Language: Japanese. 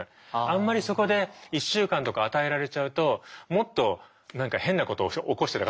あんまりそこで１週間とか与えられちゃうともっと何か変なことを起こしてたかもしれないので。